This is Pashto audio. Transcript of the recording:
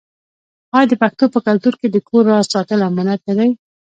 آیا د پښتنو په کلتور کې د کور راز ساتل امانت نه دی؟